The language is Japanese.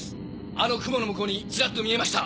あの雲の向こうにチラっと見えました。